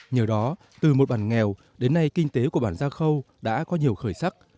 nhờ đó từ một bản nghèo đến nay kinh tế của bản gia khâu đã có nhiều khởi sắc